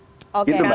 udah bisa mas oke